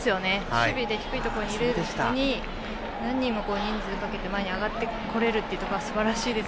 守備で低いところにいるのに何人も人数かけて前に上がってこれるところはすばらしいです。